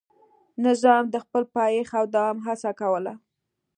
نظام د خپل پایښت او دوام هڅه کوله.